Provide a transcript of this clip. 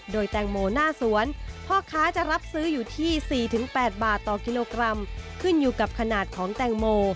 โดยแตงโมหน้าสวนพ่อค้าจะรับซื้ออยู่ที่๔๘บาทต่อกิโลกรัมขึ้นอยู่กับขนาดของแตงโม